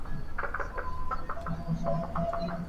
নিসার আলি হাসাতে-হাসতেই বললেন, বাসায় কে চিন্তা করবে?